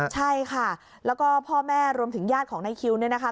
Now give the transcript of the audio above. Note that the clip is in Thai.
ใช่ค่ะแล้วก็พ่อแม่รวมถึงญาติของนายคิวเนี่ยนะคะ